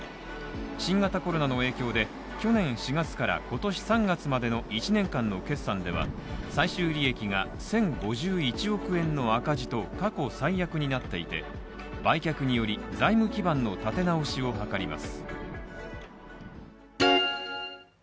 新型コロナの影響で去年４月から今年３月までの１年間の決算では最終利益が１０５１億円の赤字と過去最悪になっていて、売却により財務基盤の立て直しを図ります。